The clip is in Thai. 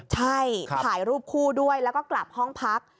ใช่ถ่ายรูปคู่ด้วยแล้วก็กลับห้องพัก